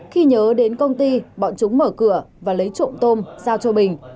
khi nhớ đến công ty bọn chúng mở cửa và lấy trộm tôm giao cho bình